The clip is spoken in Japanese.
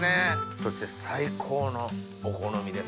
そして最高のお好みです。